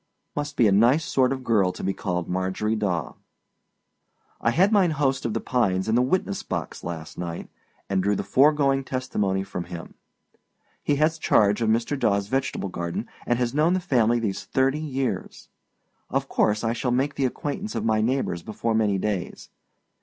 Must be a nice sort of girl to be called Marjorie Daw. I had mine host of The Pines in the witness box last night, and drew the foregoing testimony from him. He has charge of Mr. Dawâs vegetable garden, and has known the family these thirty years. Of course I shall make the acquaintance of my neighbors before many days.